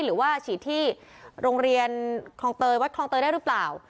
หรือว่าฉีดที่โรงเรียนคลองเตยวัดคลองเตยได้หรือเปล่า